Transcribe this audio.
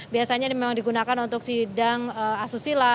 biasanya ini memang digunakan untuk sidang asusila